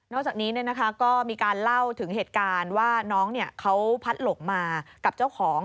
จากนี้ก็มีการเล่าถึงเหตุการณ์ว่าน้องเขาพัดหลงมากับเจ้าของ